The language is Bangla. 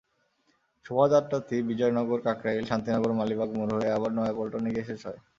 শোভাযাত্রাটি বিজয়নগর, কাকরাইল, শান্তিনগর, মালিবাগ মোড় হয়ে আবার নয়াপল্টনে গিয়ে শেষ হয়।